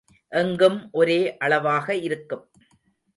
எங்கும் ஒரே அளவாக இருக்கும்.